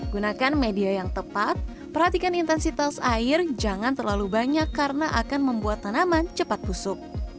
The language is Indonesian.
gunakan media yang tepat perhatikan intensitas air jangan terlalu banyak karena akan membuat tanaman cepat busuk